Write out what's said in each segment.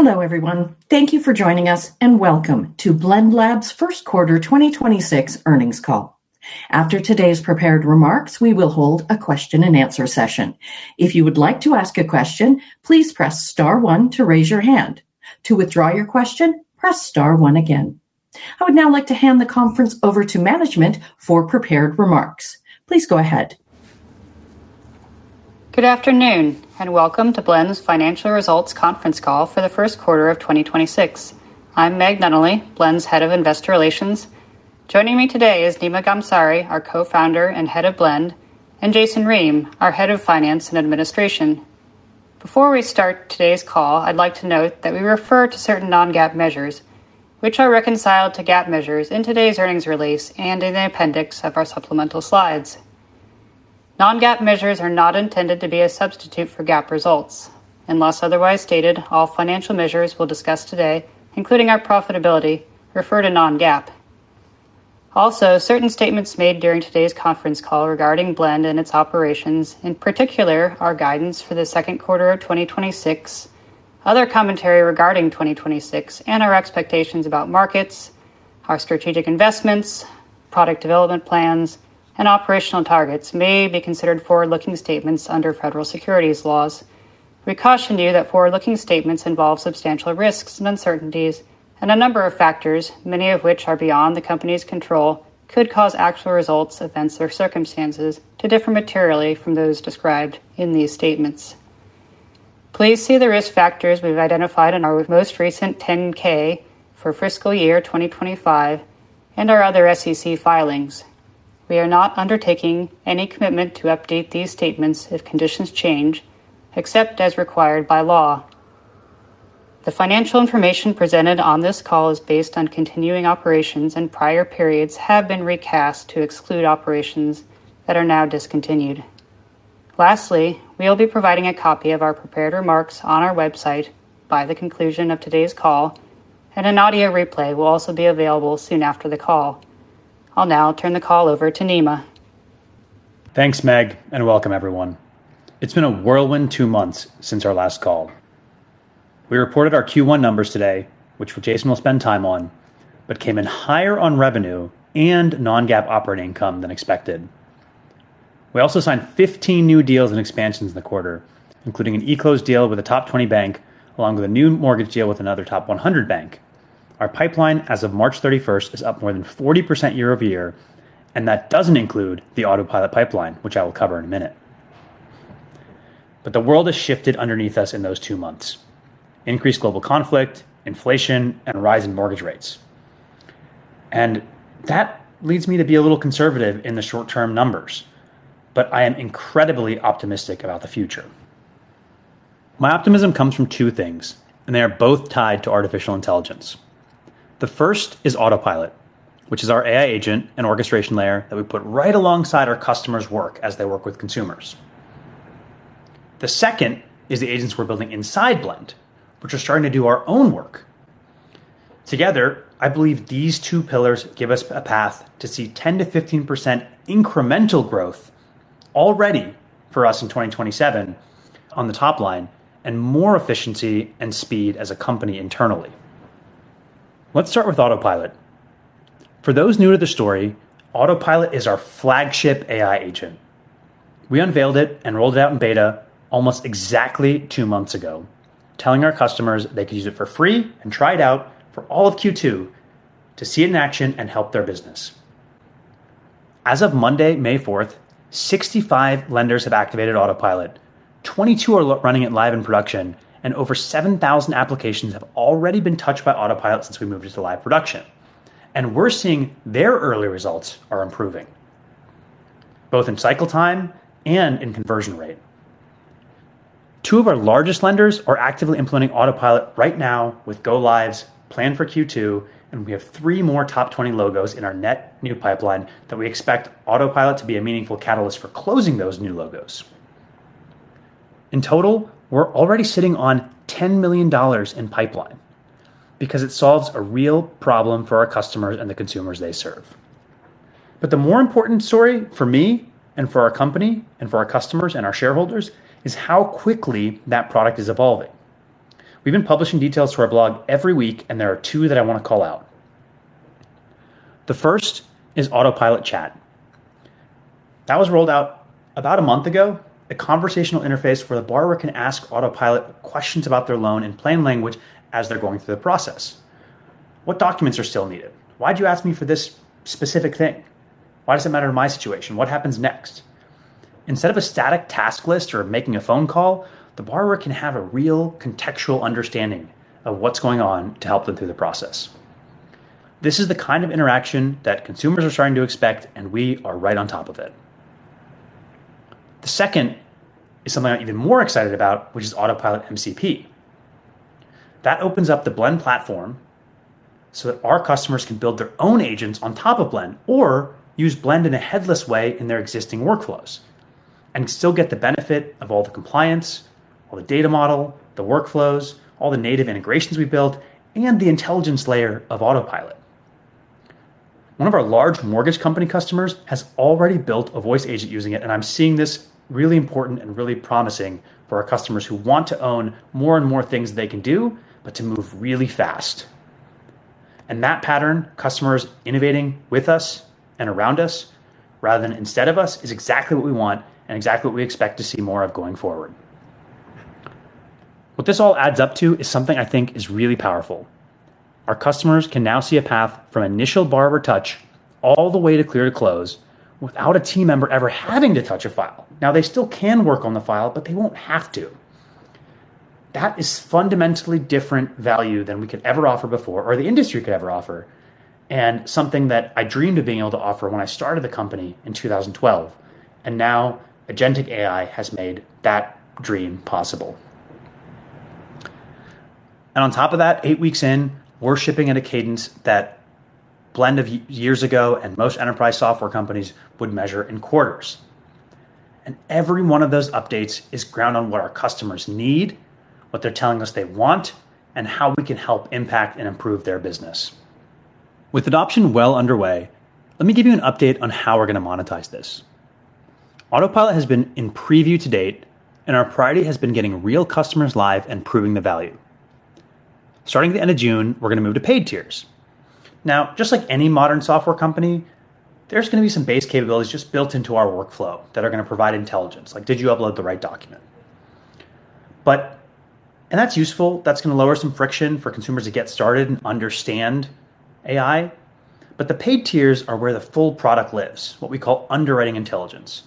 Hello, everyone. Thank you for joining us, and welcome to Blend Labs' first quarter 2026 earnings call. After today's prepared remarks, we will hold a question and answer session. If you would like to ask a question, please press star one to raise your hand. To withdraw your question, press star one again. I would now like to hand the conference over to management for prepared remarks. Please go ahead. Good afternoon, and welcome to Blend's financial results conference call for the first quarter of 2026. I'm Meg Nunnally, Blend's Head of Investor Relations. Joining me today is Nima Ghamsari, our Co-founder and Head of Blend, and Jason Ream, our Head of Finance and Administration. Before we start today's call, I'd like to note that we refer to certain non-GAAP measures, which are reconciled to GAAP measures in today's earnings release and in the appendix of our supplemental slides. Non-GAAP measures are not intended to be a substitute for GAAP results. Unless otherwise stated, all financial measures we'll discuss today, including our profitability, refer to non-GAAP. Also, certain statements made during today's conference call regarding Blend and its operations, in particular, our guidance for the second quarter of 2026, other commentary regarding 2026, and our expectations about markets, our strategic investments, product development plans, and operational targets may be considered forward-looking statements under federal securities laws. We caution you that forward-looking statements involve substantial risks and uncertainties, and a number of factors, many of which are beyond the company's control, could cause actual results, events or circumstances to differ materially from those described in these statements. Please see the risk factors we've identified in our most recent 10-K for fiscal year 2025 and our other SEC filings. We are not undertaking any commitment to update these statements if conditions change except as required by law. The financial information presented on this call is based on continuing operations, and prior periods have been recast to exclude operations that are now discontinued. Lastly, we will be providing a copy of our prepared remarks on our website by the conclusion of today's call, and an audio replay will also be available soon after the call. I will now turn the call over to Nima. Thanks, Meg, and welcome everyone. It's been a whirlwind two months since our last call. We reported our Q1 numbers today, which Jason will spend time on, but came in higher on revenue and non-GAAP operating income than expected. We also signed 15 new deals and expansions in the quarter, including an eClose deal with a top 20 bank, along with a new mortgage deal with another top 100 bank. Our pipeline as of March 31st is up more than 40% year-over-year, and that doesn't include the Autopilot pipeline, which I will cover in a minute. The world has shifted underneath us in those two months. Increased global conflict, inflation, and a rise in mortgage rates. That leads me to be a little conservative in the short-term numbers, but I am incredibly optimistic about the future. My optimism comes from two things, and they are both tied to artificial intelligence. The first is Autopilot, which is our AI agent and orchestration layer that we put right alongside our customers' work as they work with consumers. The second is the agents we're building inside Blend, which are starting to do our own work. Together, I believe these two pillars give us a path to see 10%-15% incremental growth already for us in 2027 on the top line and more efficiency and speed as a company internally. Let's start with Autopilot. For those new to the story, Autopilot is our flagship AI agent. We unveiled it and rolled it out in beta almost exactly two months ago, telling our customers they could use it for free and try it out for all of Q2 to see it in action and help their business. As of Monday, May 4th, 65 lenders have activated Autopilot. 22 are running it live in production, over 7,000 applications have already been touched by Autopilot since we moved it to live production. We're seeing their early results are improving, both in cycle time and in conversion rate. Two of our largest lenders are actively implementing Autopilot right now with go-lives planned for Q2, we have three more top 20 logos in our net new pipeline that we expect Autopilot to be a meaningful catalyst for closing those new logos. In total, we're already sitting on $10 million in pipeline because it solves a real problem for our customers and the consumers they serve. The more important story for me and for our company and for our customers and our shareholders is how quickly that product is evolving. We've been publishing details to our blog every week. There are two that I wanna call out. The first is Autopilot Chat. That was rolled out about a month ago, a conversational interface where the borrower can ask Autopilot questions about their loan in plain language as they're going through the process. What documents are still needed? Why'd you ask me for this specific thing? Why does it matter in my situation? What happens next? Instead of a static task list or making a phone call, the borrower can have a real contextual understanding of what's going on to help them through the process. This is the kind of interaction that consumers are starting to expect. We are right on top of it. The second is something I'm even more excited about, which is Autopilot MCP. That opens up the Blend Platform so that our customers can build their own agents on top of Blend or use Blend in a headless way in their existing workflows and still get the benefit of all the compliance, all the data model, the workflows, all the native integrations we built, and the intelligence layer of Autopilot. One of our large mortgage company customers has already built a voice agent using it, and I'm seeing this really important and really promising for our customers who want to own more and more things they can do, but to move really fast. That pattern, customers innovating with us and around us rather than instead of us, is exactly what we want and exactly what we expect to see more of going forward. This all adds up to is something I think is really powerful. Our customers can now see a path from initial borrower touch all the way to clear to close without a team member ever having to touch a file. They still can work on the file, but they won't have to. That is fundamentally different value than we could ever offer before or the industry could ever offer, and something that I dreamed of being able to offer when I started the company in 2012, and now agentic AI has made that dream possible. On top of that, eight weeks in, we're shipping at a cadence that Blend of years ago and most enterprise software companies would measure in quarters. Every one of those updates is ground on what our customers need, what they're telling us they want, and how we can help impact and improve their business. With adoption well underway, let me give you an update on how we're gonna monetize this. Autopilot has been in preview to date, and our priority has been getting real customers live and proving the value. Starting at the end of June, we're gonna move to paid tiers. Just like any modern software company, there's gonna be some base capabilities just built into our workflow that are gonna provide intelligence, like did you upload the right document. That's useful. That's gonna lower some friction for consumers to get started and understand AI. The paid tiers are where the full product lives, what we call underwriting intelligence,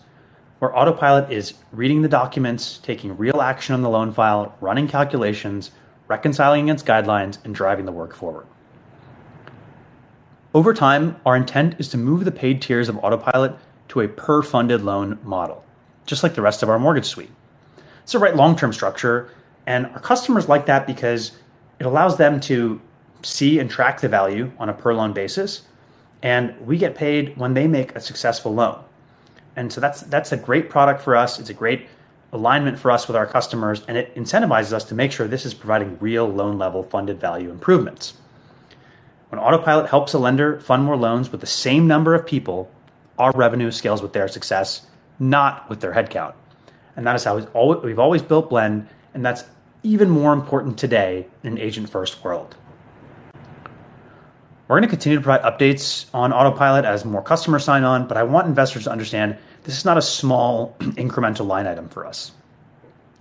where Autopilot is reading the documents, taking real action on the loan file, running calculations, reconciling against guidelines, and driving the work forward. Over time, our intent is to move the paid tiers of Autopilot to a per-funded loan model, just like the rest of our mortgage suite. It's the right long-term structure, our customers like that because it allows them to see and track the value on a per-loan basis, and we get paid when they make a successful loan. That's a great product for us. It's a great alignment for us with our customers, and it incentivizes us to make sure this is providing real loan-level funded value improvements. When Autopilot helps a lender fund more loans with the same number of people, our revenue scales with their success, not with their headcount, and that is how we've always built Blend, and that's even more important today in an agent-first world. We're gonna continue to provide updates on Autopilot as more customers sign on. I want investors to understand this is not a small incremental line item for us.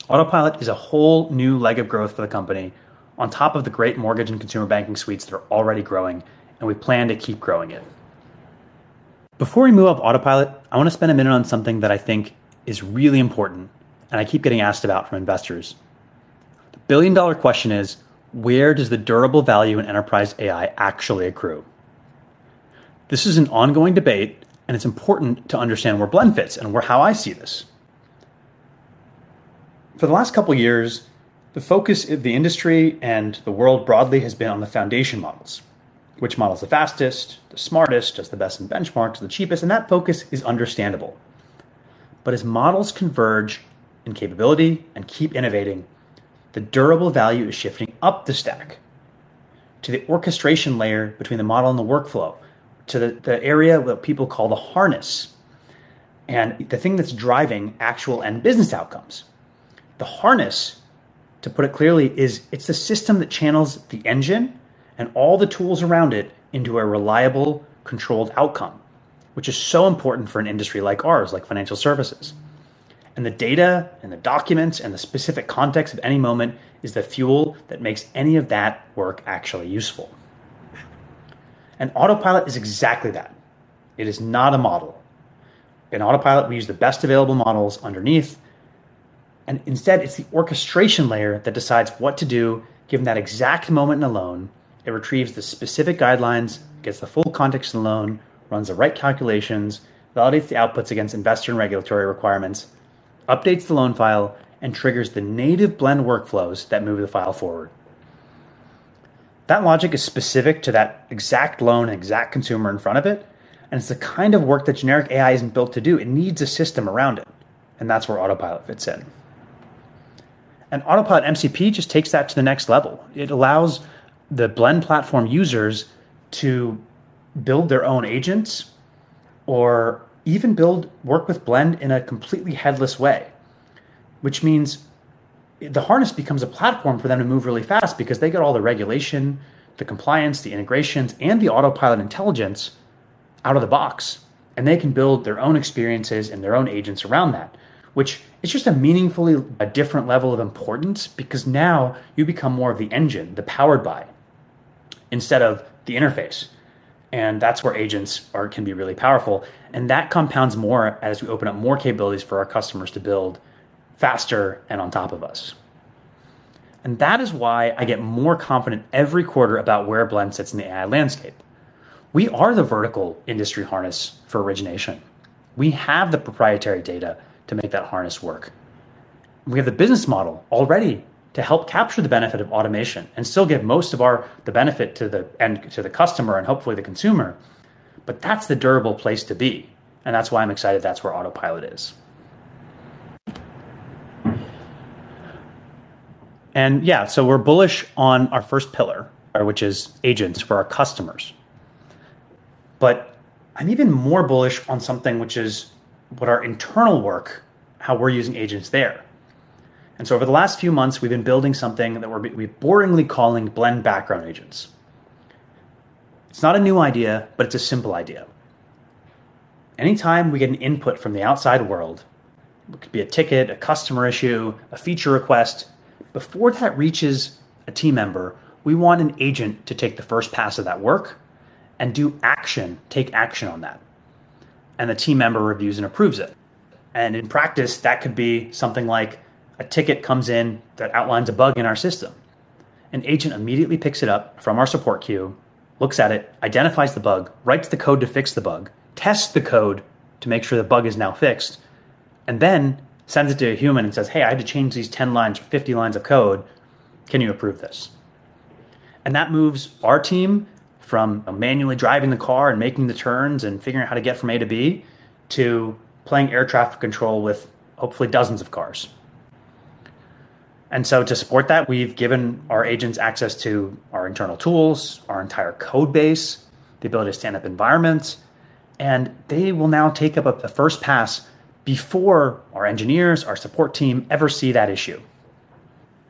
Autopilot is a whole new leg of growth for the company on top of the great mortgage and consumer banking suite that are already growing. We plan to keep growing it. Before we move off Autopilot, I wanna spend a minute on something that I think is really important. I keep getting asked about from investors. The billion-dollar question is: where does the durable value in enterprise AI actually accrue? This is an ongoing debate. It's important to understand where Blend fits and where how I see this. For the last couple years, the focus of the industry and the world broadly has been on the foundation models. Which model is the fastest, the smartest, does the best in benchmarks, the cheapest? That focus is understandable. As models converge in capability and keep innovating, the durable value is shifting up the stack to the orchestration layer between the model and the workflow, to the area what people call the harness and the thing that's driving actual end business outcomes. The harness, to put it clearly, is it's the system that channels the engine and all the tools around it into a reliable, controlled outcome, which is so important for an industry like ours, like financial services. The data and the documents and the specific context of any moment is the fuel that makes any of that work actually useful. Autopilot is exactly that. It is not a model. In Autopilot, we use the best available models underneath. Instead, it's the orchestration layer that decides what to do given that exact moment in a loan. It retrieves the specific guidelines, gets the full context of the loan, runs the right calculations, validates the outputs against investor and regulatory requirements, updates the loan file, and triggers the native Blend workflows that move the file forward. That logic is specific to that exact loan and exact consumer in front of it, and it's the kind of work that generic AI isn't built to do. It needs a system around it. That's where Autopilot fits in. Autopilot MCP just takes that to the next level. It allows the Blend Platform users to build their own agents or even build work with Blend in a completely headless way, which means the harness becomes a platform for them to move really fast because they get all the regulation, the compliance, the integrations, and the Autopilot intelligence out of the box, and they can build their own experiences and their own agents around that, which is just a meaningfully a different level of importance because now you become more of the engine, the powered by, instead of the interface, and that's where agents can be really powerful. That compounds more as we open up more capabilities for our customers to build faster and on top of us. That is why I get more confident every quarter about where Blend sits in the AI landscape. We are the vertical industry harness for origination. We have the proprietary data to make that harness work. We have the business model already to help capture the benefit of automation and still give most of the benefit to the end, to the customer and hopefully the consumer, but that's the durable place to be, and that's why I'm excited that's where Autopilot is. Yeah, so we're bullish on our first pillar, which is agents for our customers. I'm even more bullish on something which is what our internal work, how we're using agents there. Over the last few months, we've been building something that we're boringly calling Blend Background Agents. It's not a new idea, but it's a simple idea. Anytime we get an input from the outside world, it could be a ticket, a customer issue, a feature request, before that reaches a team member, we want an agent to take the first pass of that work and take action on that, and the team member reviews and approves it. In practice, that could be something like a ticket comes in that outlines a bug in our system. An agent immediately picks it up from our support queue, looks at it, identifies the bug, writes the code to fix the bug, tests the code to make sure the bug is now fixed, and then sends it to a human and says, hey, I had to change these 10 lines or 50 lines of code. Can you approve this? That moves our team from manually driving the car and making the turns and figuring how to get from A to B to playing air traffic control with hopefully dozens of cars. To support that, we've given our agents access to our internal tools, our entire code base, the ability to stand up environments, and they will now take up the first pass before our engineers, our support team ever see that issue.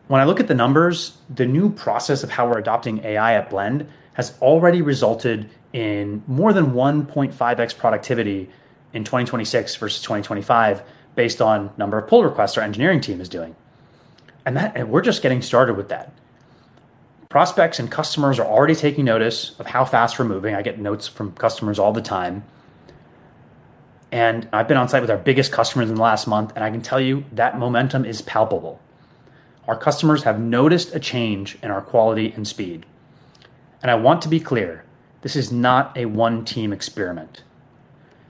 When I look at the numbers, the new process of how we're adopting AI at Blend has already resulted in more than 1.5x productivity in 2026 versus 2025 based on number of pull requests our engineering team is doing. That we're just getting started with that. Prospects and customers are already taking notice of how fast we're moving. I get notes from customers all the time. I've been on site with our biggest customers in the last month, and I can tell you that momentum is palpable. Our customers have noticed a change in our quality and speed. I want to be clear, this is not a one-team experiment.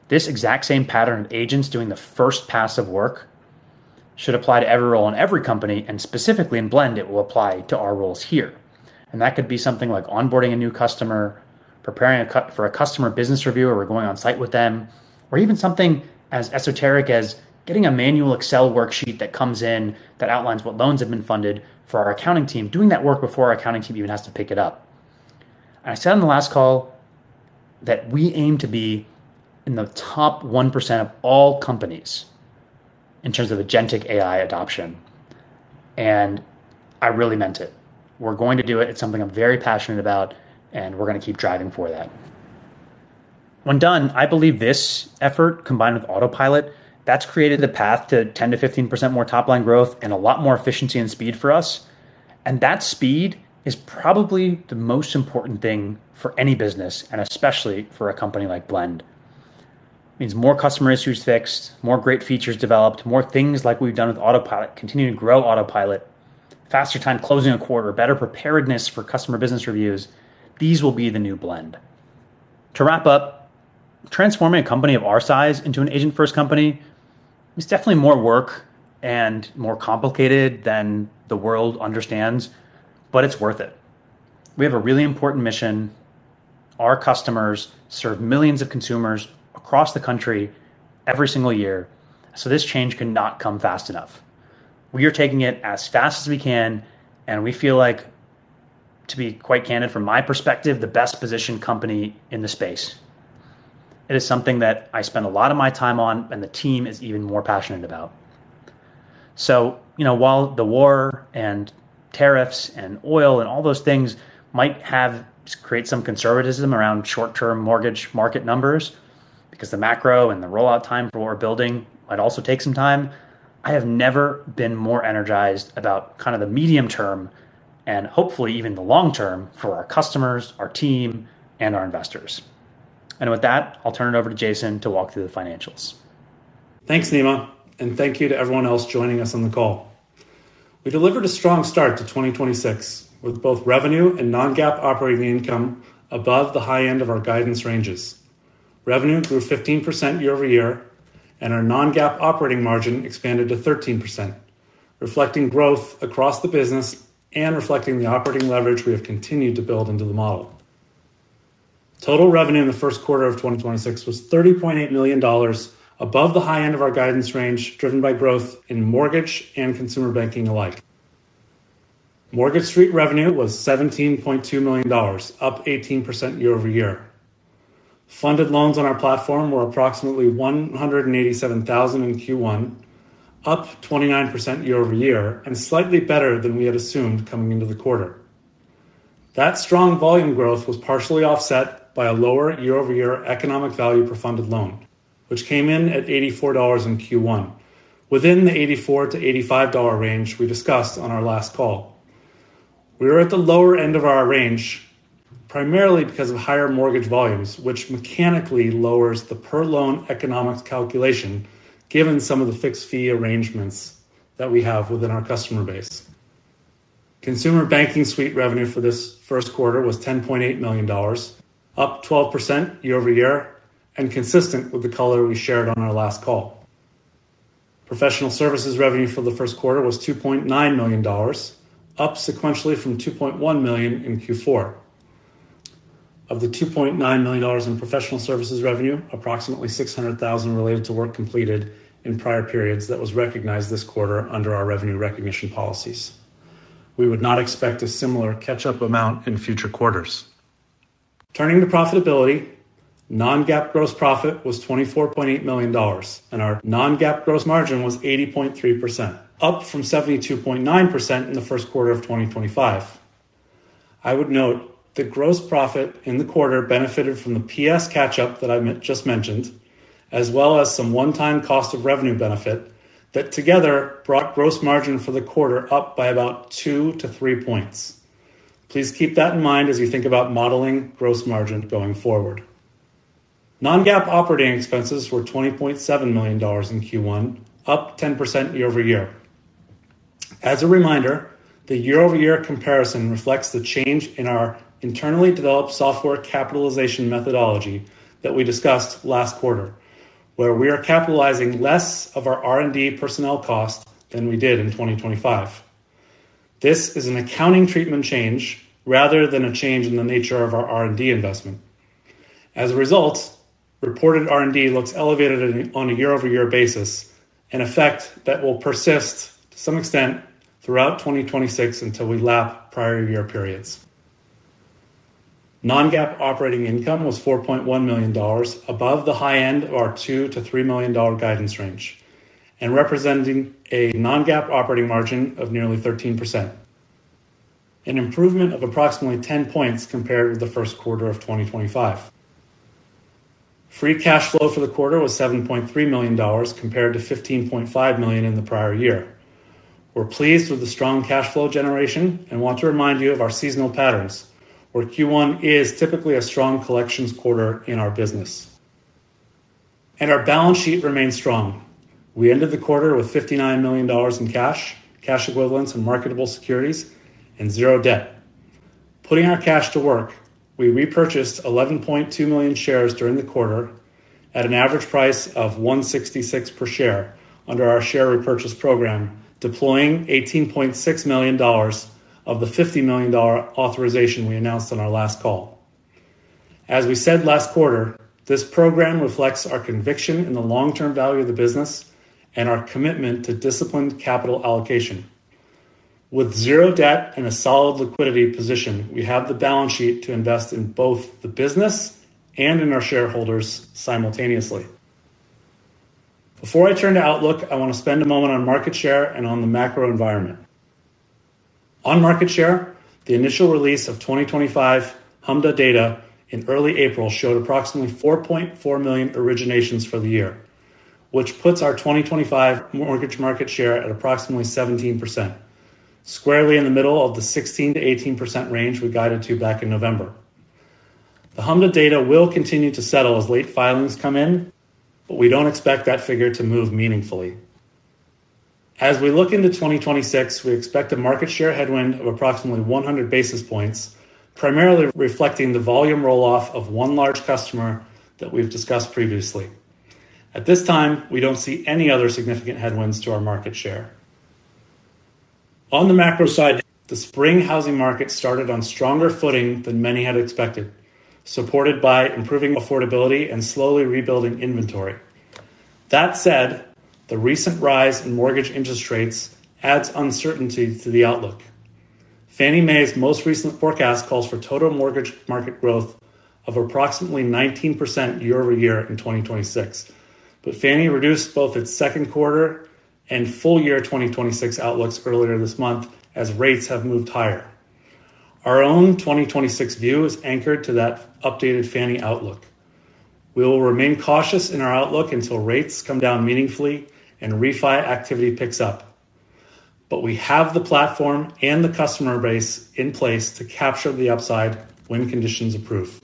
This exact same pattern of agents doing the first pass of work should apply to every role in every company, and specifically in Blend, it will apply to our roles here. That could be something like onboarding a new customer, preparing for a customer business review or going on site with them, or even something as esoteric as getting a manual Excel worksheet that comes in that outlines what loans have been funded for our accounting team, doing that work before our accounting team even has to pick it up. I said on the last call that we aim to be in the top 1% of all companies in terms of agentic AI adoption, and I really meant it. We're going to do it. It's something I'm very passionate about, we're going to keep driving for that. When done, I believe this effort, combined with Autopilot, that's created the path to 10%-15% more top-line growth and a lot more efficiency and speed for us. That speed is probably the most important thing for any business, and especially for a company like Blend. It means more customer issues fixed, more great features developed, more things like we've done with Autopilot, continuing to grow Autopilot, faster time closing a quarter, better preparedness for customer business reviews. These will be the new Blend. To wrap up, transforming a company of our size into an agent-first company is definitely more work and more complicated than the world understands, but it's worth it. We have a really important mission. Our customers serve millions of consumers across the country every single year, so this change cannot come fast enough. We are taking it as fast as we can, and we feel like, to be quite candid, from my perspective, the best positioned company in the space. It is something that I spend a lot of my time on and the team is even more passionate about. You know, while the war and tariffs and oil and all those things might have create some conservatism around short-term mortgage market numbers because the macro and the rollout time for building might also take some time, I have never been more energized about kind of the medium term and hopefully even the long term for our customers, our team, and our investors. With that, I'll turn it over to Jason to walk through the financials. Thanks, Nima, and thank you to everyone else joining us on the call. We delivered a strong start to 2026, with both revenue and non-GAAP operating income above the high end of our guidance ranges. Revenue grew 15% year-over-year, and our non-GAAP operating margin expanded to 13%, reflecting growth across the business and reflecting the operating leverage we have continued to build into the model. Total revenue in the first quarter of 2026 was $30.8 million above the high end of our guidance range, driven by growth in mortgage and consumer banking alike. Mortgage suite revenue was $17.2 million, up 18% year-over-year. Funded loans on our platform were approximately 187,000 in Q1, up 29% year-over-year and slightly better than we had assumed coming into the quarter. That strong volume growth was partially offset by a lower year-over-year economic value per funded loan, which came in at $84 in Q1, within the $84-$85 range we discussed on our last call. We were at the lower end of our range primarily because of higher mortgage volumes, which mechanically lowers the per loan economics calculation given some of the fixed fee arrangements that we have within our customer base. Consumer banking suite revenue for this first quarter was $10.8 million, up 12% year-over-year and consistent with the color we shared on our last call. Professional services revenue for the first quarter was $2.9 million, up sequentially from $2.1 million in Q4. Of the $2.9 million in professional services revenue, approximately $600,000 related to work completed in prior periods that was recognized this quarter under our revenue recognition policies. We would not expect a similar catch-up amount in future quarters. Turning to profitability, non-GAAP gross profit was $24.8 million, and our non-GAAP gross margin was 80.3%, up from 72.9% in the first quarter of 2025. I would note that gross profit in the quarter benefited from the PS catch-up that I just mentioned, as well as some one-time cost of revenue benefit that together brought gross margin for the quarter up by about 2-3 points. Please keep that in mind as you think about modeling gross margin going forward. Non-GAAP operating expenses were $20.7 million in Q1, up 10% year-over-year. As a reminder, the year-over-year comparison reflects the change in our internally developed software capitalization methodology that we discussed last quarter, where we are capitalizing less of our R&D personnel cost than we did in 2025. This is an accounting treatment change rather than a change in the nature of our R&D investment. As a result, reported R&D looks elevated on a year-over-year basis, an effect that will persist to some extent throughout 2026 until we lap prior year periods. Non-GAAP operating income was $4.1 million above the high end of our $2 million-$3 million guidance range and representing a non-GAAP operating margin of nearly 13%. An improvement of approximately 10 points compared with the first quarter of 2025. Free cash flow for the quarter was $7.3 million compared to $15.5 million in the prior year. We're pleased with the strong cash flow generation and want to remind you of our seasonal patterns, where Q1 is typically a strong collections quarter in our business. Our balance sheet remains strong. We ended the quarter with $59 million in cash, cash equivalents and marketable securities, and zero debt. Putting our cash to work, we repurchased 11.2 million shares during the quarter at an average price of $1.66 per share under our share repurchase program, deploying $18.6 million of the $50 million authorization we announced on our last call. As we said last quarter, this program reflects our conviction in the long-term value of the business and our commitment to disciplined capital allocation. With zero debt and a solid liquidity position, we have the balance sheet to invest in both the business and in our shareholders simultaneously. Before I turn to outlook, I want to spend a moment on market share and on the macro environment. On market share, the initial release of 2025 HMDA data in early April showed approximately 4.4 million originations for the year, which puts our 2025 mortgage market share at approximately 17%, squarely in the middle of the 16%-18% range we guided to back in November. The HMDA data will continue to settle as late filings come in, but we don't expect that figure to move meaningfully. As we look into 2026, we expect a market share headwind of approximately 100 basis points, primarily reflecting the volume roll-off of one large customer that we've discussed previously. At this time, we don't see any other significant headwinds to our market share. On the macro side, the spring housing market started on stronger footing than many had expected, supported by improving affordability and slowly rebuilding inventory. That said, the recent rise in mortgage interest rates adds uncertainty to the outlook. Fannie Mae's most recent forecast calls for total mortgage market growth of approximately 19% year-over-year in 2026, but Fannie reduced both its second quarter and full year 2026 outlooks earlier this month as rates have moved higher. Our own 2026 view is anchored to that updated Fannie outlook. We will remain cautious in our outlook until rates come down meaningfully and refi activity picks up. We have the platform and the customer base in place to capture the upside when conditions improve.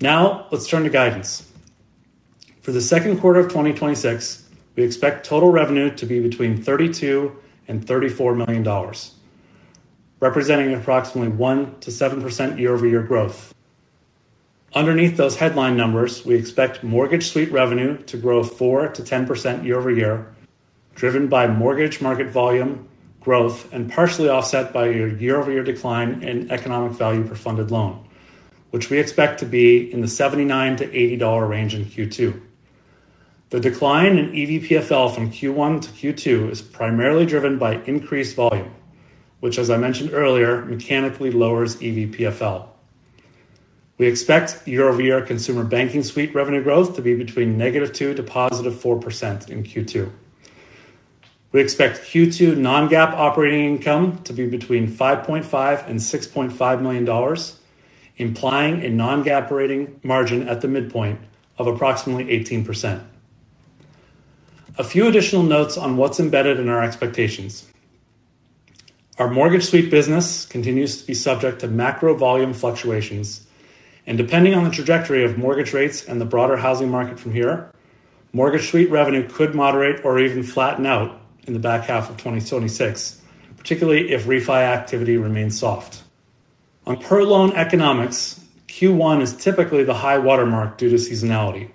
Now, let's turn to guidance. For the second quarter of 2026, we expect total revenue to be between $32 million and $34 million, representing approximately 1%-7% year-over-year growth. Underneath those headline numbers, we expect mortgage suite revenue to grow 4%-10% year-over-year, driven by mortgage market volume growth and partially offset by a year-over-year decline in economic value per funded loan, which we expect to be in the $79-$80 range in Q2. The decline in evPFL from Q1 to Q2 is primarily driven by increased volume, which as I mentioned earlier, mechanically lowers evPFL. We expect year-over-year consumer banking suite revenue growth to be between -2% to +4% in Q2. We expect Q2 non-GAAP operating income to be between $5.5 million and $6.5 million, implying a non-GAAP operating margin at the midpoint of approximately 18%. A few additional notes on what's embedded in our expectations. Our mortgage suite business continues to be subject to macro volume fluctuations. Depending on the trajectory of mortgage rates and the broader housing market from here, mortgage suite revenue could moderate or even flatten out in the back half of 2026, particularly if refi activity remains soft. On per loan economics, Q1 is typically the high watermark due to seasonality.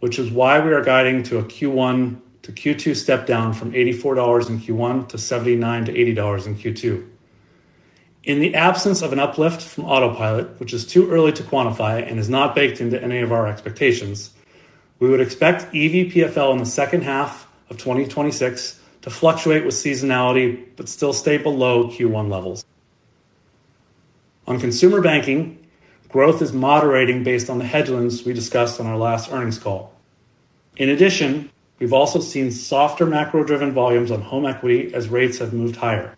Which is why we are guiding to a Q1 to Q2 step down from $84 in Q1 to $79-$80 in Q2. In the absence of an uplift from Autopilot, which is too early to quantify and is not baked into any of our expectations, we would expect evPFL in the second half of 2026 to fluctuate with seasonality but still stay below Q1 levels. On consumer banking, growth is moderating based on the headwinds we discussed on our last earnings call. In addition, we've also seen softer macro-driven volumes on home equity as rates have moved higher.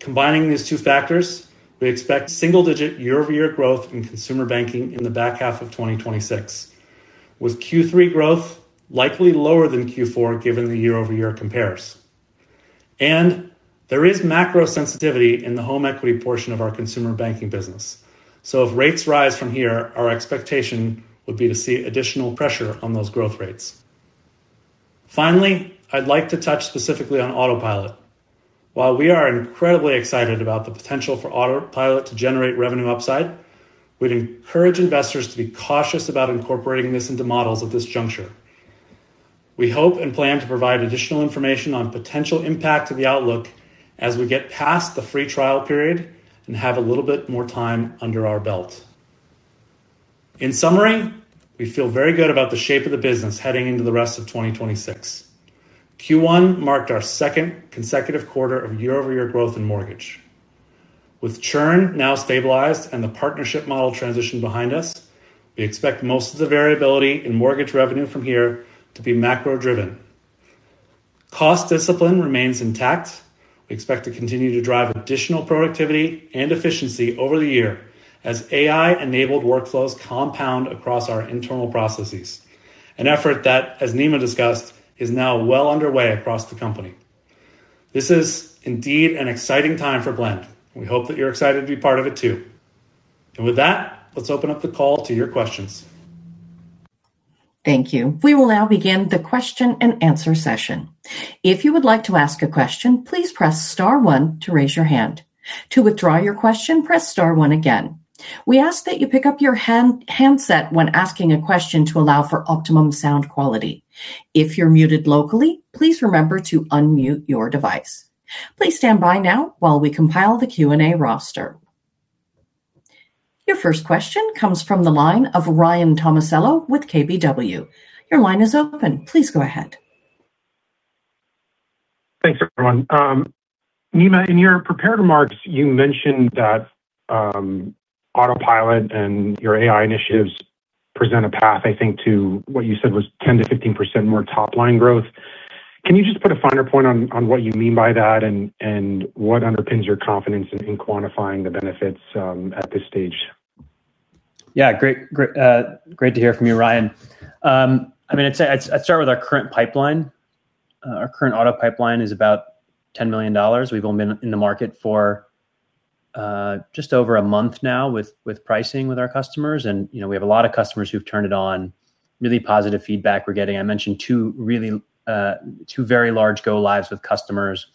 Combining these two factors, we expect single-digit year-over-year growth in consumer banking in the back half of 2026, with Q3 growth likely lower than Q4 given the year-over-year compares. There is macro sensitivity in the home equity portion of our consumer banking business. If rates rise from here, our expectation would be to see additional pressure on those growth rates. Finally, I'd like to touch specifically on Autopilot. While we are incredibly excited about the potential for Autopilot to generate revenue upside, we'd encourage investors to be cautious about incorporating this into models at this juncture. We hope and plan to provide additional information on potential impact to the outlook as we get past the free trial period and have a little bit more time under our belt. In summary, we feel very good about the shape of the business heading into the rest of 2026. Q1 marked our second consecutive quarter of year-over-year growth in mortgage. With churn now stabilized and the partnership model transition behind us, we expect most of the variability in mortgage revenue from here to be macro-driven. Cost discipline remains intact. We expect to continue to drive additional productivity and efficiency over the year as AI-enabled workflows compound across our internal processes, an effort that, as Nima discussed, is now well underway across the company. This is indeed an exciting time for Blend. We hope that you're excited to be part of it too. With that, let's open up the call to your questions. Thank you. We will now begin the question and answer session. If you would like to ask a question, please press star one to raise your hand. To withdraw your question, press star one again. We ask that you pick up your handset when asking a question to allow for optimum sound quality. If you're muted locally, please remember to unmute your device. Please stand by now while we compile the Q&A roster. Your first question comes from the line of Ryan Tomasello with KBW. Your line is open. Please go ahead. Thanks, everyone. Nima, in your prepared remarks, you mentioned that Autopilot and your AI initiatives present a path, I think, to what you said was 10%-15% more top-line growth. Can you just put a finer point on what you mean by that and what underpins your confidence in quantifying the benefits at this stage? Yeah. Great, great to hear from you, Ryan. I mean, I'd say I'd start with our current pipeline. Our current [Autopilot] pipeline is about $10 million. We've only been in the market for just over a month now with pricing with our customers. You know, we have a lot of customers who've turned it on. Really positive feedback we're getting. I mentioned two really large go-lives with customers.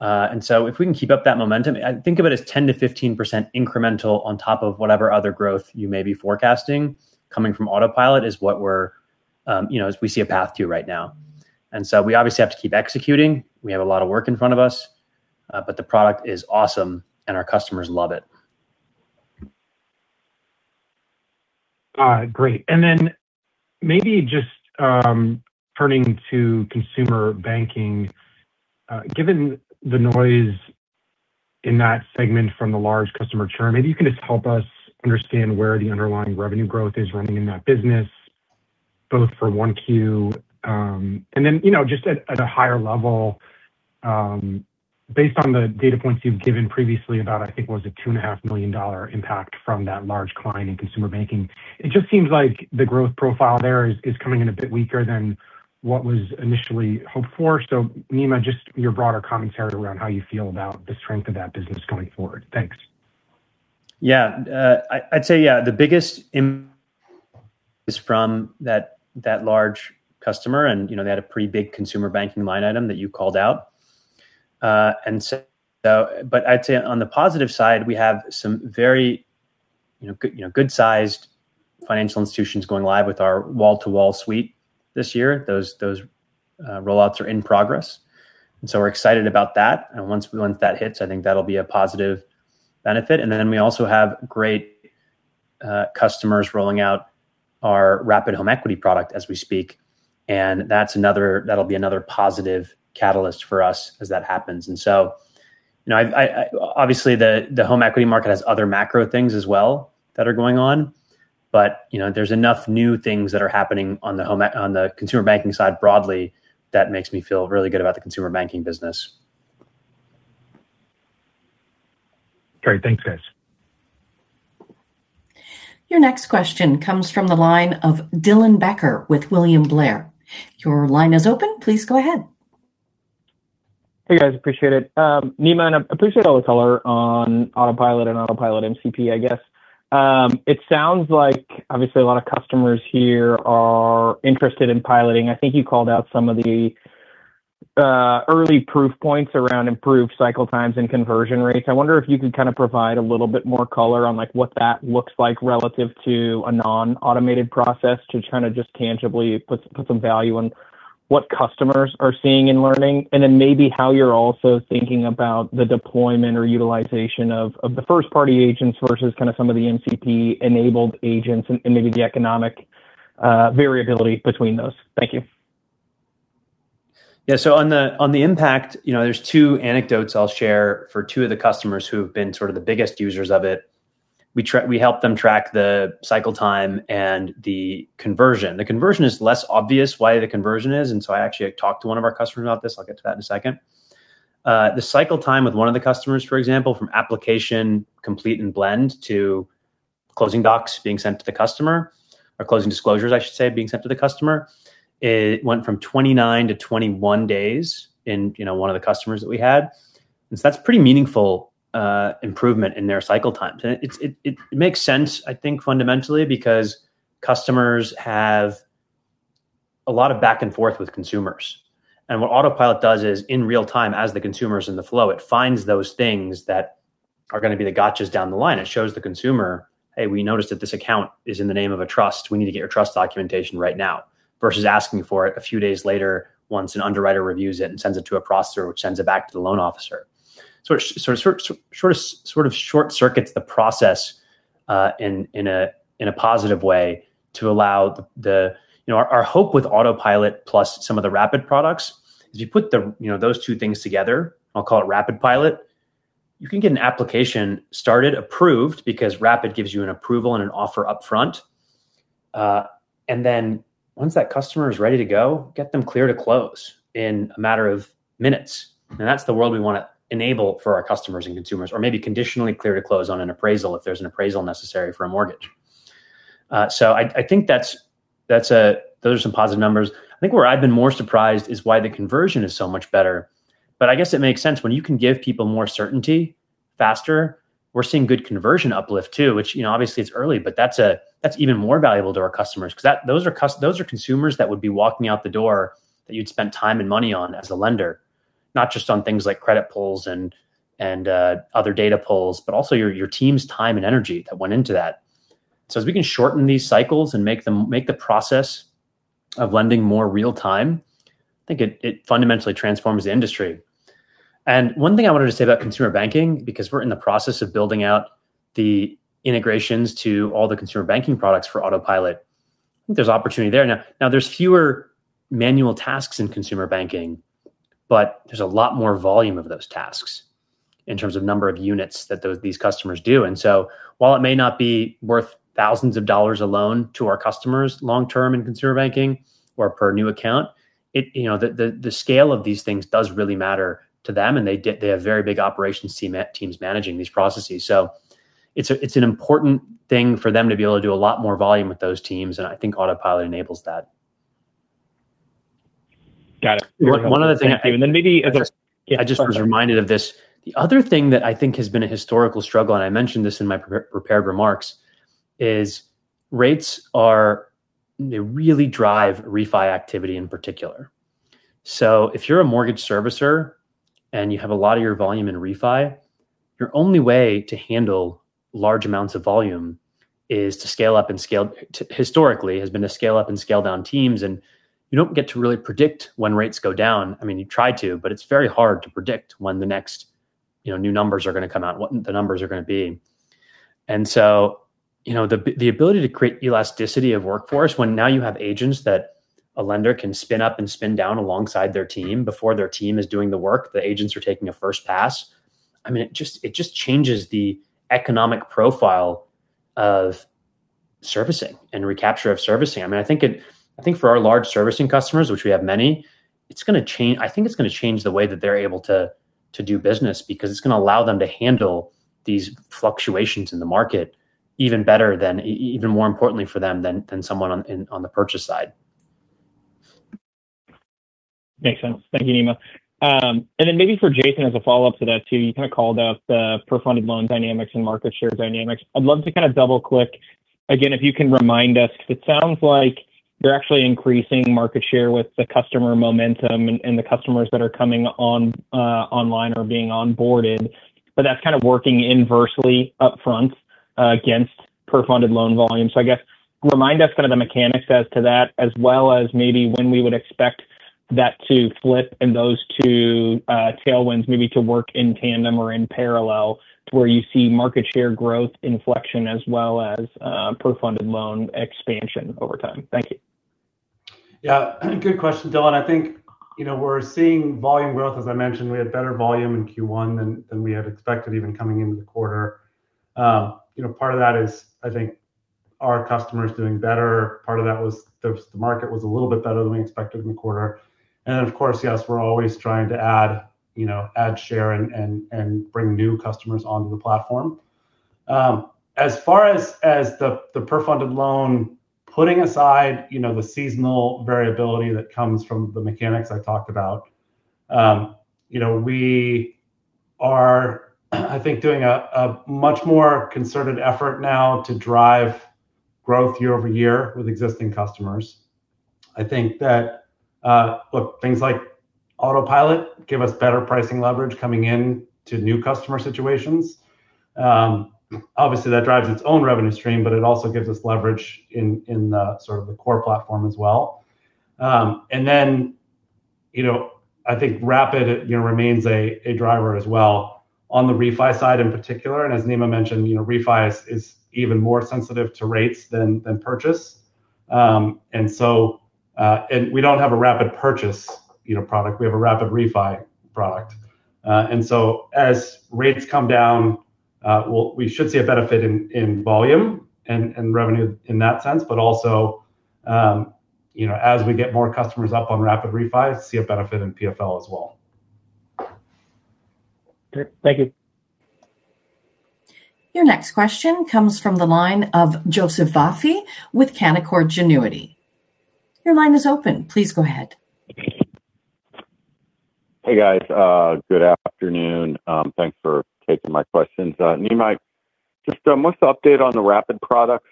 If we can keep up that momentum, I think of it as 10%-15% incremental on top of whatever other growth you may be forecasting coming from Autopilot is what we're, you know, as we see a path to right now. We obviously have to keep executing. We have a lot of work in front of us. The product is awesome, and our customers love it. Great. Maybe just turning to consumer banking. Given the noise in that segment from the large customer churn, maybe you can just help us understand where the underlying revenue growth is running in that business, both for 1Q, you know, just at a higher level, based on the data points you've given previously about, I think, was it $2.5 million Impact from that large client in consumer banking? It just seems like the growth profile there is coming in a bit weaker than what was initially hoped for. Nima, just your broader commentary around how you feel about the strength of that business going forward. Thanks. Yeah. I'd say, yeah, the biggest is from that large customer and, you know, they had a pretty big consumer banking line item that you called out. But I'd say on the positive side, we have some very, you know, good, you know, good-sized financial institutions going live with our wall-to-wall suite this year. Those rollouts are in progress, we're excited about that. Once that hits, I think that'll be a positive benefit. We also have great customers rolling out our Rapid Home Equity product as we speak, that'll be another positive catalyst for us as that happens. You know, I, obviously, the home equity market has other macro things as well that are going on. You know, there's enough new things that are happening on the consumer banking side broadly that makes me feel really good about the consumer banking business. Great. Thanks, guys. Your next question comes from the line of Dylan Becker with William Blair. Your line is open. Please go ahead. Hey, guys. Appreciate it. Nima, I appreciate all the color on Autopilot and Autopilot MCP, I guess. It sounds like obviously a lot of customers here are interested in piloting. I think you called out some of the early proof points around improved cycle times and conversion rates. I wonder if you could kind of provide a little bit more color on, like, what that looks like relative to a non-automated process to try to just tangibly put some value on what customers are seeing and learning, and then maybe how you're also thinking about the deployment or utilization of the first-party agents versus kind of some of the MCP-enabled agents and maybe the economic variability between those. Thank you. Yeah. On the impact, you know, there's two anecdotes I'll share for two of the customers who have been sort of the biggest users of it. We helped them track the cycle time and the conversion. The conversion is less obvious why the conversion is, I actually had talked to one of our customers about this. I'll get to that in a second. The cycle time with one of the customers, for example, from application complete and Blend to closing docs being sent to the customer, or closing disclosures I should say, being sent to the customer, it went from 29 to 21 days in, you know, one of the customers that we had. That's pretty meaningful improvement in their cycle times. It makes sense, I think, fundamentally, because customers have a lot of back and forth with consumers. What Autopilot does is, in real time, as the consumer's in the flow, it finds those things that are going to be the gotchas down the line. It shows the consumer, hey, we noticed that this account is in the name of a trust. We need to get your trust documentation right now, versus asking for it a few days later once an underwriter reviews it and sends it to a processor, which sends it back to the loan officer. It sort of short-circuits the process in a positive way to allow the. You know, our hope with Autopilot plus some of the Rapid products is you put, you know, those two things together, I'll call it Rapid Pilot, you can get an application started, approved, because Rapid gives you an approval and an offer upfront. Then once that customer is ready to go, get them clear to close in a matter of minutes. That's the world we wanna enable for our customers and consumers, or maybe conditionally clear to close on an appraisal if there's an appraisal necessary for a mortgage. I think those are some positive numbers. I think where I've been more surprised is why the conversion is so much better, but I guess it makes sense. When you can give people more certainty, faster, we're seeing good conversion uplift too, which, you know, obviously it's early, but that's even more valuable to our customers. Cause those are consumers that would be walking out the door that you'd spent time and money on as a lender, not just on things like credit pulls and, other data pulls, but also your team's time and energy that went into that. As we can shorten these cycles and make the process of lending more real time, I think it fundamentally transforms the industry. One thing I wanted to say about consumer banking, because we're in the process of building out the integrations to all the consumer banking products for Autopilot, I think there's opportunity there. Now, there's fewer manual tasks in consumer banking, but there's a lot more volume of those tasks in terms of number of units that these customers do. While it may not be worth thousands of dollars a loan to our customers long-term in consumer banking or per new account, you know, the scale of these things does really matter to them, and they have very big operations teams managing these processes. It's an important thing for them to be able to do a lot more volume with those teams, and I think Autopilot enables that. Got it. One other thing. Maybe other, yeah. I just was reminded of this. The other thing that I think has been a historical struggle, I mentioned this in my prepared remarks, is rates are. They really drive refi activity in particular. If you're a mortgage servicer and you have a lot of your volume in refi, your only way to handle large amounts of volume is to scale up and scale to, historically, has been to scale up and scale down teams. You don't get to really predict when rates go down. I mean, you try to, but it's very hard to predict when the next, you know, new numbers are gonna come out, what the numbers are gonna be. You know, the ability to create elasticity of workforce when now you have agents that a lender can spin up and spin down alongside their team. Before their team is doing the work, the agents are taking a first pass. I mean, it just changes the economic profile of servicing and recapture of servicing. I mean, I think for our large servicing customers, which we have many, it's gonna change the way that they're able to do business, because it's gonna allow them to handle these fluctuations in the market even better than even more importantly for them than someone on the purchase side. Makes sense. Thank you, Nima. Then maybe for Jason as a follow-up to that too, you kind of called out the per-funded loan dynamics and market share dynamics. I'd love to kind of double-click. Again, if you can remind us, cause it sounds like you're actually increasing market share with the customer momentum and the customers that are coming on online or being onboarded, but that's kind of working inversely upfront against per-funded loan volume. I guess remind us kind of the mechanics as to that, as well as maybe when we would expect that to flip and those two tailwinds maybe to work in tandem or in parallel to where you see market share growth inflection as well as per-funded loan expansion over time. Thank you. Yeah. Good question, Dylan. I think, you know, we're seeing volume growth. As I mentioned, we had better volume in Q1 than we had expected even coming into the quarter. You know, part of that is I think our customers doing better. Part of that was the market was a little bit better than we expected in the quarter. Of course, yes, we're always trying to add, you know, add share and bring new customers onto the platform. As far as the per-funded loan, putting aside, you know, the seasonal variability that comes from the mechanics I talked about, you know, we are, I think, doing a much more concerted effort now to drive growth year-over-year with existing customers. I think that, look, things like Autopilot give us better pricing leverage coming in to new customer situations. Obviously, that drives its own revenue stream, but it also gives us leverage in the sort of the core platform as well. You know, I think Rapid, you know, remains a driver as well on the refi side in particular. As Nima mentioned, you know, refi is even more sensitive to rates than purchase. We don't have a Rapid purchase, you know, product. We have a Rapid refi product. As rates come down, we should see a benefit in volume and revenue in that sense. Also, you know, as we get more customers up on Rapid refi, see a benefit in PFL as well. Great. Thank you. Your next question comes from the line of Joseph Vafi with Canaccord Genuity. Your line is open. Please go ahead. Hey, guys. Good afternoon. Thanks for taking my questions. Nima, what's the update on the Rapid products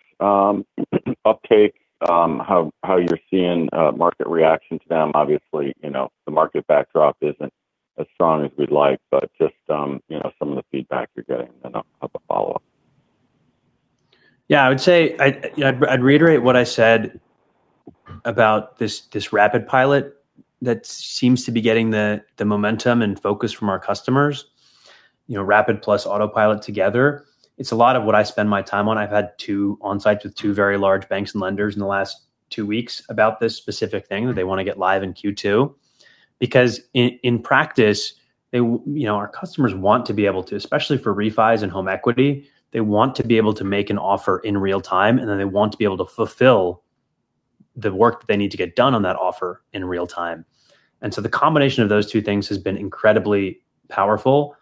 uptake, how you're seeing market reaction to them? Obviously, you know, the market backdrop isn't as strong as we'd like, but you know, some of the feedback you're getting. I'll have a follow-up. I would say, you know, I'd reiterate what I said about this Rapid Pilot that seems to be getting the momentum and focus from our customers. You know, Rapid plus Autopilot together, it's a lot of what I spend my time on. I've had two on-sites with two very large banks and lenders in the last two weeks about this specific thing, that they want to get live in Q2. In practice, you know, our customers want to be able to, especially for refis and home equity, they want to be able to make an offer in real time, and then they want to be able to fulfill the work that they need to get done on that offer in real time. The combination of those two things has been incredibly powerful.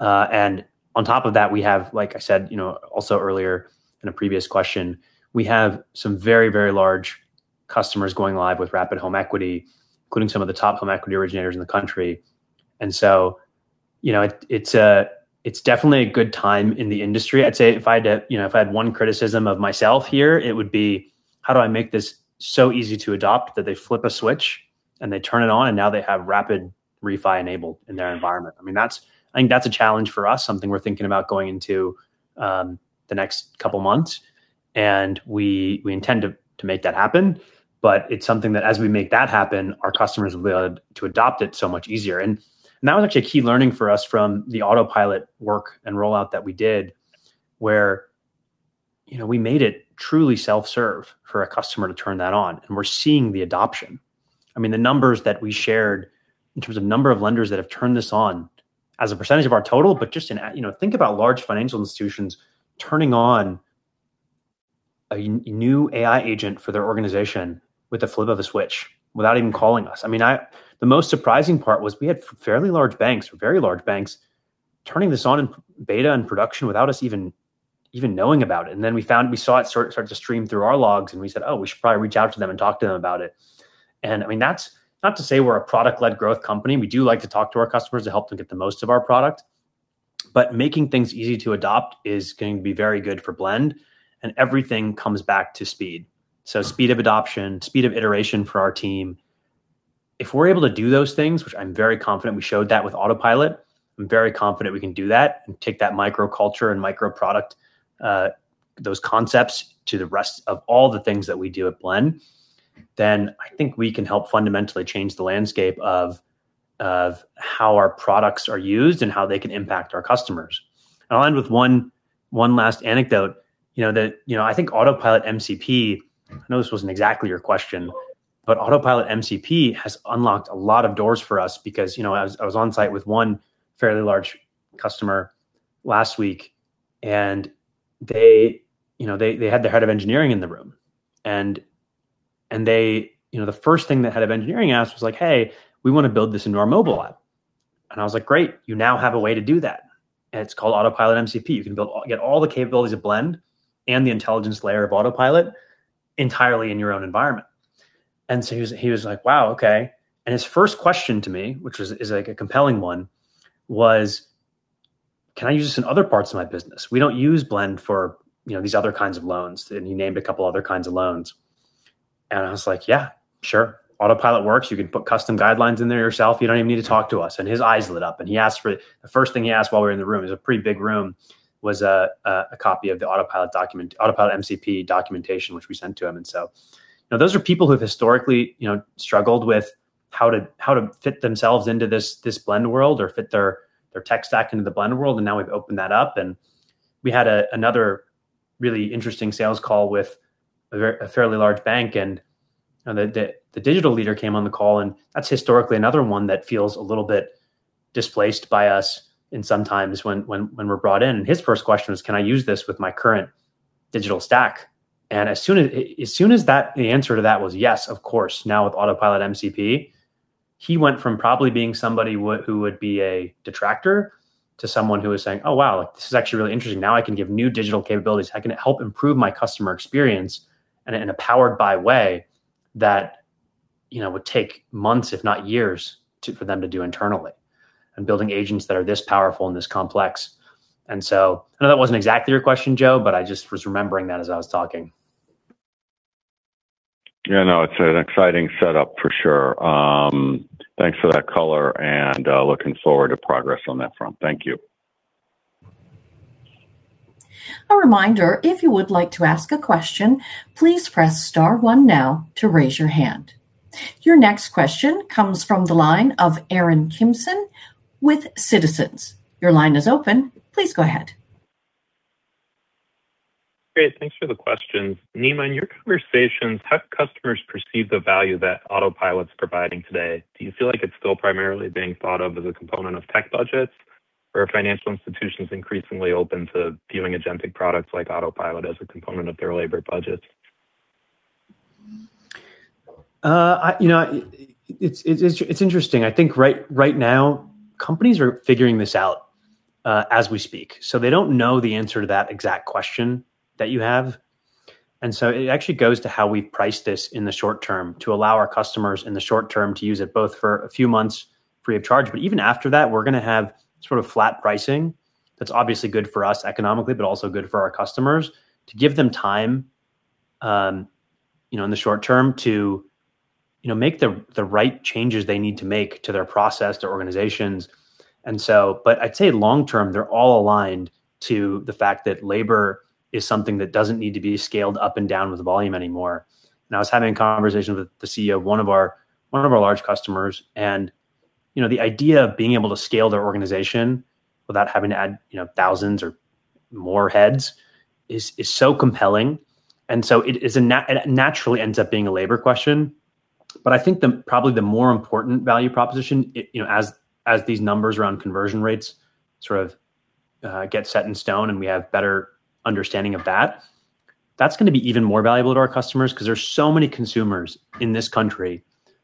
On top of that, we have, like I said, you know, also earlier in a previous question, we have some very, very large customers going live with Rapid Home Equity, including some of the top home equity originators in the country. You know, it's definitely a good time in the industry. I'd say if I had to, you know, if I had one criticism of myself here, it would be, how do I make this so easy to adopt that they flip a switch and they turn it on, and now they have Rapid refi enabled in their environment? I mean, I think that's a challenge for us, something we're thinking about going into the next couple months. We intend to make that happen. It's something that as we make that happen, our customers will be able to adopt it so much easier. That was actually a key learning for us from the Autopilot work and rollout that we did, where, you know, we made it truly self-serve for a customer to turn that on, and we're seeing the adoption. I mean, the numbers that we shared in terms of number of lenders that have turned this on as a percentage of our total, but just in a, you know, think about large financial institutions turning on a new AI agent for their organization with the flip of a switch without even calling us. I mean, the most surprising part was we had fairly large banks, very large banks, turning this on in beta and production without us even knowing about it. Then we saw it start to stream through our logs, and we said, oh, we should probably reach out to them and talk to them about it. I mean, that's not to say we're a product-led growth company. We do like to talk to our customers to help them get the most of our product. Making things easy to adopt is going to be very good for Blend, and everything comes back to speed. Speed of adoption, speed of iteration for our team. If we're able to do those things, which I'm very confident we showed that with Autopilot, I'm very confident we can do that and take that micro culture and micro product, those concepts to the rest of all the things that we do at Blend, then I think we can help fundamentally change the landscape of how our products are used and how they can impact our customers. I'll end with one last anecdote, you know, that, you know, I think Autopilot MCP, I know this wasn't exactly your question, but Autopilot MCP has unlocked a lot of doors for us because, you know, I was on site with one fairly large customer last week, and they, you know, they had their head of engineering in the room. They, you know, the first thing the head of engineering asked was like, hey, we want to build this into our mobile app. I was like, great, you now have a way to do that, and it's called Autopilot MCP. You can get all the capabilities of Blend and the intelligence layer of Autopilot entirely in your own environment. So he was like, wow, okay. His first question to me, which was, is like a compelling one, was, can I use this in other parts of my business? We don't use Blend for, you know, these other kinds of loans. He named a couple other kinds of loans. I was like, yeah, sure. Autopilot works. You can put custom guidelines in there yourself. You don't even need to talk to us. His eyes lit up, and he asked the first thing he asked while we were in the room, it was a pretty big room, was a copy of the Autopilot MCP documentation, which we sent to him. So, you know, those are people who have historically, you know, struggled with how to fit themselves into this Blend world or fit their tech stack into the Blend world, and now we've opened that up. We had another really interesting sales call with a fairly large bank, you know, the digital leader came on the call. That's historically another one that feels a little bit displaced by us in sometimes when we're brought in. His first question was, can I use this with my current digital stack? As soon as that, the answer to that was, yes, of course, now with Autopilot MCP, he went from probably being somebody who would be a detractor to someone who was saying, oh, wow, this is actually really interesting. Now I can give new digital capabilities. How can it help improve my customer experience in a powered by way that you know, would take months, if not years to, for them to do internally and building agents that are this powerful and this complex. I know that wasn't exactly your question, Joe, but I just was remembering that as I was talking. Yeah, no, it's an exciting setup for sure. Thanks for that color and looking forward to progress on that front. Thank you. A reminder, if you would like to ask a question, please press star one now to raise your hand. Your next question comes from the line of Aaron Kimson with Citizens. Your line is open. Please go ahead. Great. Thanks for the questions. Nima, in your conversations, how do customers perceive the value that Autopilot's providing today? Do you feel like it's still primarily being thought of as a component of tech budgets? Are financial institutions increasingly open to viewing agentic products like Autopilot as a component of their labor budgets? I, you know, it's, it's interesting. I think right now companies are figuring this out as we speak. They don't know the answer to that exact question that you have. It actually goes to how we price this in the short term to allow our customers in the short term to use it both for a few months free of charge. Even after that, we're gonna have sort of flat pricing that's obviously good for us economically, but also good for our customers to give them time, you know, in the short term to, you know, make the right changes they need to make to their process, to organizations. I'd say long term, they're all aligned to the fact that labor is something that doesn't need to be scaled up and down with volume anymore. I was having a conversation with the CEO of one of our large customers, and, you know, the idea of being able to scale their organization without having to add, you know, thousands or more heads is so compelling. It naturally ends up being a labor question. I think the, probably the more important value proposition, it, you know, as these numbers around conversion rates sort of get set in stone and we have better understanding of that's gonna be even more valuable to our customers cause there's so many consumers in this country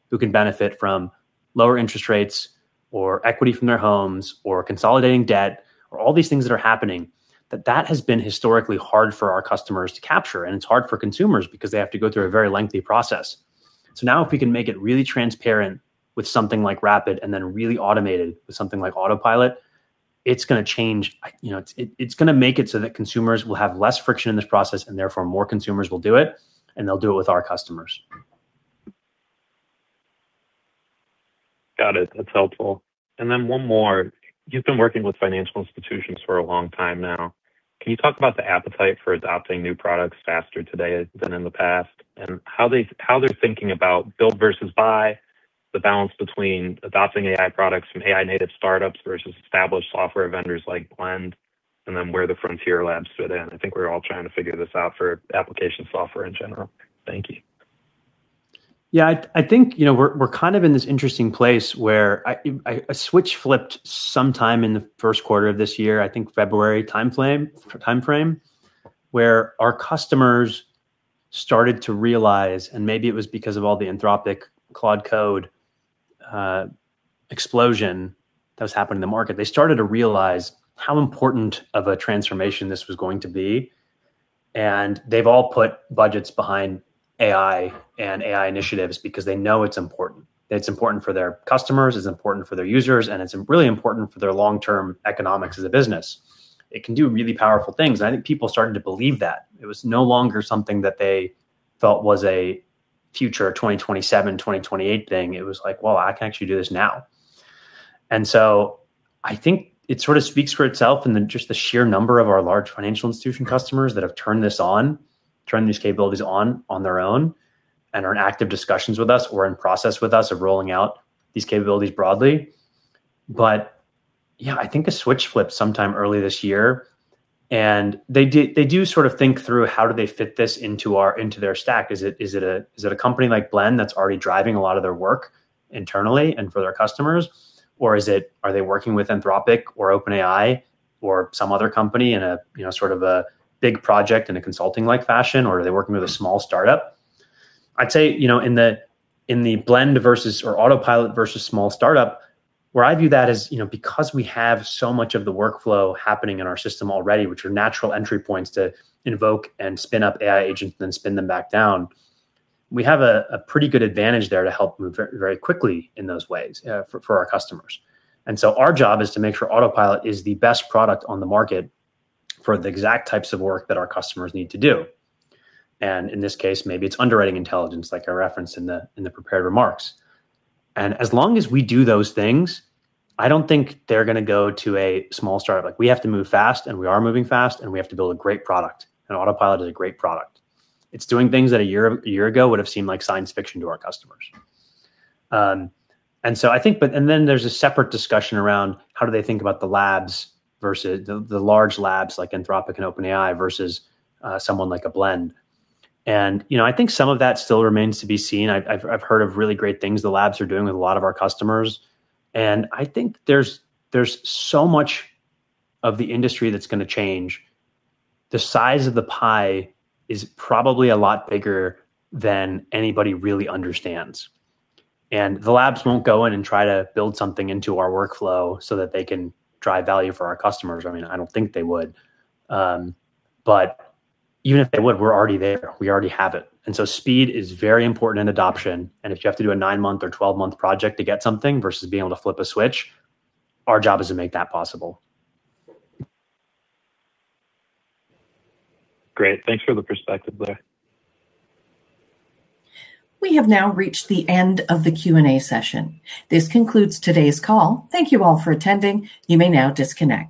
who can benefit from lower interest rates or equity from their homes or consolidating debt or all these things that are happening that has been historically hard for our customers to capture. It's hard for consumers because they have to go through a very lengthy process. Now if we can make it really transparent with something like Rapid and then really automated with something like Autopilot, it's gonna change, you know, it's gonna make it so that consumers will have less friction in this process and therefore more consumers will do it, and they'll do it with our customers. Got it. That's helpful. One more. You've been working with financial institutions for a long time now. Can you talk about the appetite for adopting new products faster today than in the past, and how they're thinking about build versus buy, the balance between adopting AI products from AI-native startups versus established software vendors like Blend, and then where the Frontier Labs fit in? I think we're all trying to figure this out for application software in general. Thank you. I think, you know, we're kind of in this interesting place where I, a switch flipped sometime in the first quarter of this year, I think February timeframe, where our customers started to realize, and maybe it was because of all the Anthropic Claude Code explosion that was happening in the market. They started to realize how important of a transformation this was going to be, and they've all put budgets behind AI and AI initiatives because they know it's important. It's important for their customers, it's important for their users, and it's really important for their long-term economics as a business. It can do really powerful things, and I think people are starting to believe that. It was no longer something that they felt was a future 2027, 2028 thing. It was like, well, I can actually do this now. I think it sort of speaks for itself and then just the sheer number of our large financial institution customers that have turned this on, turned these capabilities on on their own and are in active discussions with us or in process with us of rolling out these capabilities broadly. Yeah, I think a switch flipped sometime early this year. They do sort of think through how do they fit this into our, into their stack. Is it a company like Blend that's already driving a lot of their work internally and for their customers? Are they working with Anthropic or OpenAI or some other company in a, you know, sort of a big project in a consulting-like fashion, or are they working with a small startup? I'd say, you know, in the Blend versus or Autopilot versus small startup, where I view that is, you know, because we have so much of the workflow happening in our system already, which are natural entry points to invoke and spin up AI agents and then spin them back down, we have a pretty good advantage there to help move very, very quickly in those ways for our customers. Our job is to make sure Autopilot is the best product on the market for the exact types of work that our customers need to do. In this case, maybe it's underwriting intelligence like I referenced in the prepared remarks. As long as we do those things, I don't think they're gonna go to a small startup. Like, we have to move fast, and we are moving fast, and we have to build a great product, and Autopilot is a great product. It's doing things that a year ago would have seemed like science fiction to our customers. I think there's a separate discussion around how do they think about the labs versus the large labs like Anthropic and OpenAI versus someone like a Blend. You know, I think some of that still remains to be seen. I've heard of really great things the Labs are doing with a lot of our customers, and I think there's so much of the industry that's gonna change. The size of the pie is probably a lot bigger than anybody really understands. The Labs won't go in and try to build something into our workflow so that they can drive value for our customers. I mean, I don't think they would. But even if they would, we're already there. We already have it. Speed is very important in adoption, and if you have to do a nine month or 12-month project to get something versus being able to flip a switch, our job is to make that possible. Great. Thanks for the perspective there. We have now reached the end of the Q&A session. This concludes today's call. Thank you all for attending. You may now disconnect.